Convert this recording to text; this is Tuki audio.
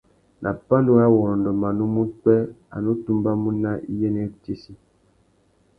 Nà pandúrâwurrôndô manô má upwê, a nù tumbamú nà iyênêritsessi.